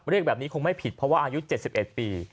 เรียกแบบนี้คงไม่ผิดเพราะว่าอายุ๗๑ปี